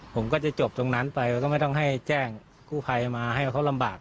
ผมก็จะจบตรงนั้นไปแล้วก็ไม่ต้องให้แจ้งกู้ภัยมาให้ว่าเขาลำบาก